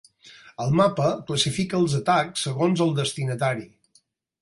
El mapa classifica els atacs segons el destinatari.